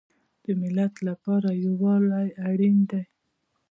د ملت لپاره یووالی اړین دی